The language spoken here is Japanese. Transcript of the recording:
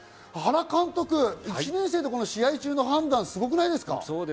原監督、１年生で試合中の判断、すごくないですか？